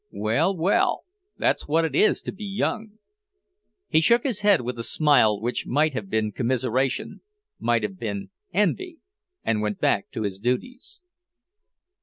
Well, well; that's what it is to be young!" He shook his head with a smile which might have been commiseration, might have been envy, and went back to his duties.